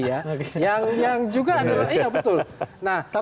yang juga ada